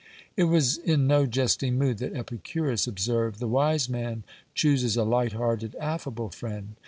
It was in no jesting mood that Epicurus observed :" The wise man chooses a light hearted, affable friend."